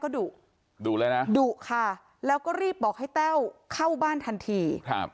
ดุค่ะแล้วก็รีบบอกให้เต้าเข้าบ้านทันที